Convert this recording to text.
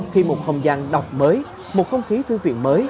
khi một không gian đọc mới một không khí thư viện mới